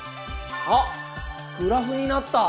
あっグラフになった！